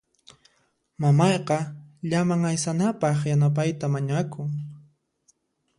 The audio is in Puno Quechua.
Mamayqa llaman aysanapaq yanapayta mañakun.